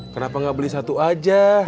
kenapa nggak beli satu aja